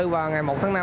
và ngày một tháng năm